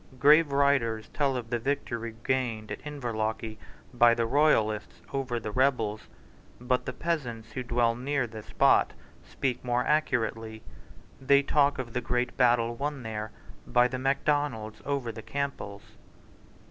Grave writers tell of the victory gained at Inverlochy by the royalists over the rebels. But the peasants who dwell near the spot speak more accurately. They talk of the great battle won there by the Macdonalds over the Campbells.